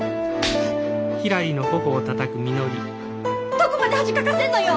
どこまで恥かかせんのよ！